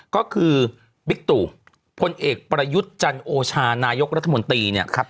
ก็คือบิ๊กตู่พลเอกประยุทธ์จันโอชานายกรัฐมนตรีเนี่ย